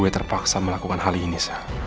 gue terpaksa melakukan hal ini sa